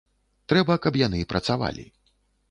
Трэба, каб яны працавалі.